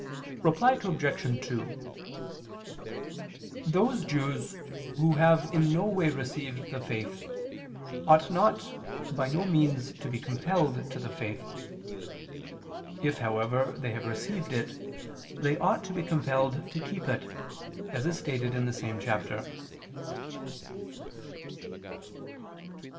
Reply Obj. 2: Those Jews who have in no way received the faith, ought not by no means to be compelled to the faith: if, however, they have received it, they ought to be compelled to keep it, as is stated in the same chapter.